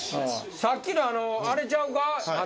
さっきのあれちゃうか？